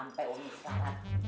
sampai umi salah